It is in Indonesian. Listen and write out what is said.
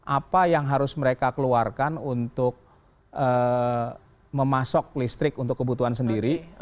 apa yang harus mereka keluarkan untuk memasok listrik untuk kebutuhan sendiri